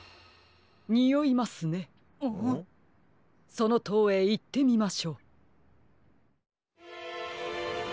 そのとうへいってみましょう。